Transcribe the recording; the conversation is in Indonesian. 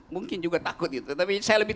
mungkin juga takut gitu tapi saya lebih